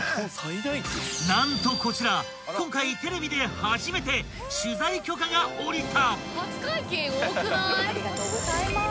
［何とこちら今回テレビで初めて取材許可が下りた］